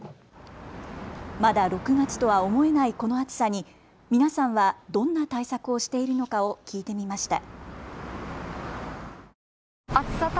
まだ６月とは思えないこの暑さに皆さんはどんな対策をしているのかを聞いてみました。